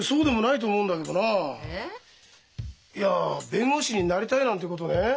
えっ？いや弁護士になりたいなんてことね